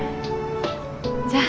じゃあ。